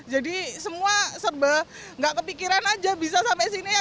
jadi semua serba nggak kepikiran aja bisa sampai sini aja